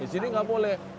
di sini tidak boleh